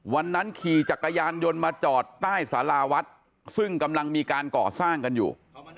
วันนั้นขี่จักรยานยนต์มาจอดใต้สาราวัดซึ่งกำลังมีการก่อสร้างกันอยู่